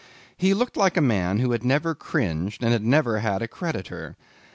He looked like a man who had never cringed and never had had a creditor.